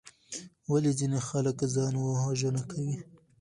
ولې ځینې خلک ځان وژنه کوي؟